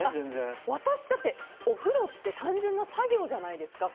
私は全然、だってお風呂って単純な作業じゃないですか。